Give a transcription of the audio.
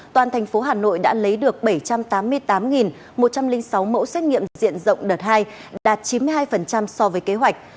toàn thành phố hà nội đã lấy được bảy trăm tám mươi tám một trăm linh sáu mẫu xét nghiệm diện rộng đợt hai đạt chín mươi hai so với kế hoạch